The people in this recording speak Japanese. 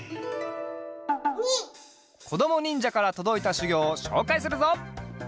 こどもにんじゃからとどいたしゅぎょうをしょうかいするぞ。